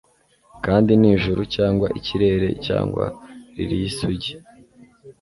Kandi nijuru cyangwa ikirere cyangwa lili yisugi